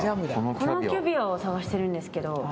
このキャビアを探してるんですけど。